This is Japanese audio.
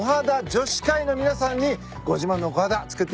女子会の皆さんにご自慢のコハダ作っていただきます。